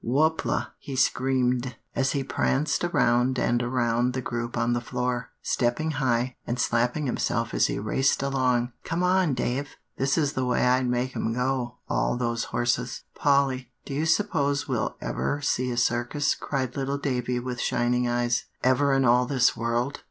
"Whoop la!" he screamed, as he pranced around and around the group on the floor, stepping high, and slapping himself as he raced along. "Come on, Dave; this is the way I'd make 'em go, all those horses." "Polly, do you suppose we'll ever see a Circus?" cried little Davie with shining eyes; "ever in all this world?"